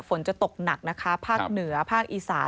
ฝนจะตกหนักนะคะภาคเหนือภาคอีสาน